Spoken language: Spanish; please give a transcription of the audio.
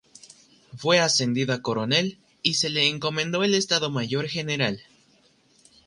Fue ascendido a coronel, y se le encomendó el Estado Mayor General.